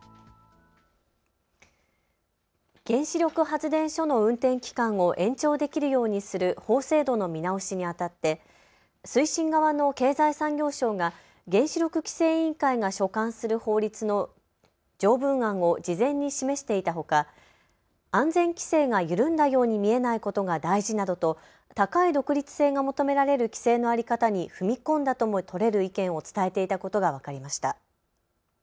原子力発電所の運転期間を延長できるようにする法制度の見直しにあたって推進側の経済産業省が原子力規制委員会が所管する法律の条文案を事前に示していたほか安全規制が緩んだように見えないことが大事などと高い独立性が求められる規制の在り方に踏み込んだとも取れる意見を伝えていたことが分かりました。